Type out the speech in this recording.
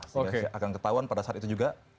sehingga akan ketahuan pada saat itu juga